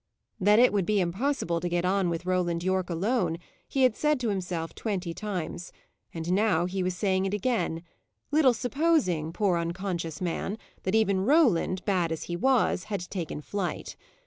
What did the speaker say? That it would be impossible to get on with Roland Yorke alone, he had said to himself twenty times; and now he was saying it again, little supposing, poor unconscious man, that even Roland, bad as he was, had taken flight.